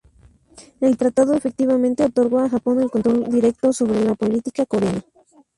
El tratado efectivamente otorgó a Japón el control directo sobre la política coreana.